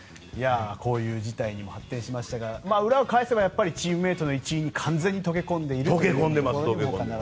こういう事態にも発展しましたが裏を返せばチームメートの一員に溶け込んでいると。